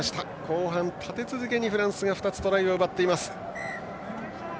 後半、立て続けにフランスが２つトライを奪っています。